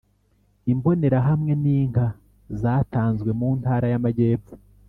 imbonerahamwe n inka zatanzwe mu ntara y amajyepfo